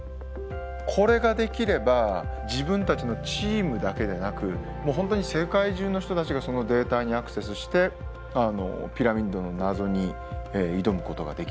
これができれば自分たちのチームだけでなく本当に世界中の人たちがそのデータにアクセスしてピラミッドの謎に挑むことができる。